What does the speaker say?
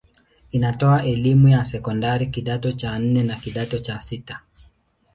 Inatoa elimu ya sekondari kidato cha nne na kidato cha sita.